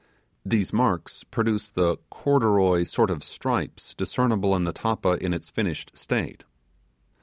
These marks produce the corduroy sort of stripes discernible in the tappa in its finished state.